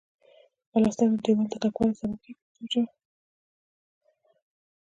پلستر د دېوال د کلکوالي سبب کیږي په پښتو ژبه.